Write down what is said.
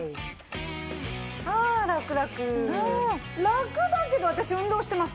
ラクだけど私運動してますから。